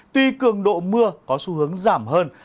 tuy cường độ mưa có xu hướng giảm hơn